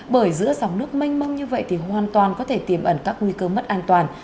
bởi giữa dòng nước mênh mông như vậy thì hoàn toàn có thể tiềm ẩn các nguy cơ mất an toàn